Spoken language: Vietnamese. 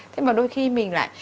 thế mà đôi khi mình lại